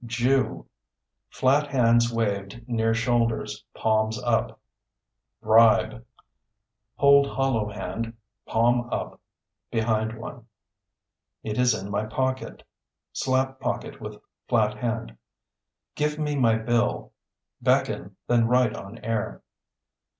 Jew (Flat hands waved near shoulders, palms up). Bribe (Hold hollow hand, palm up, behind one). It is in my pocket (Slap pocket with flat hand). Give me my bill (Beckon, then write on air).